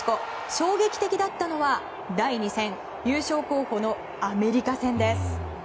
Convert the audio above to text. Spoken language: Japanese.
衝撃的だったのは第２戦優勝候補のアメリカ戦です。